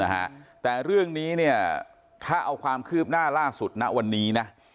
นะฮะแต่เรื่องนี้เนี่ยถ้าเอาความคืบหน้าล่าสุดณวันนี้นะ